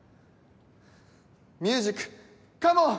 ミュージックカモン！